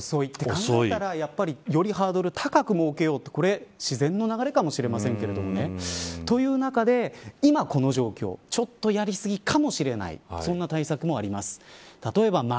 何かあってからでは遅いと考えるとよりハードル高く設けようとこれ自然の流れかもしれませんけどね。という中で、今この状況ちょっとやり過ぎかもしれないそんな対策もあります。